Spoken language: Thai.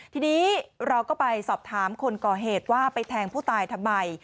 ทีนี้เราก็ไปสอบถามคนก่อเหตุว่าไปแทงผู้ตายทำไม